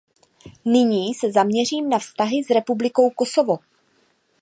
Nyní se zaměřím na vztahy s Republikou Kosovo.